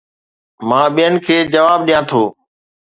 مان ٻين کي جواب ڏيان ٿو